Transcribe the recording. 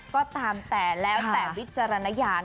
ก็ตามแต่แล้วแต่วิจารณญาณ